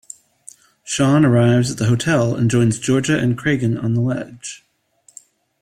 Sean arrives at the hotel and joins Georgia and Kragen on the ledge.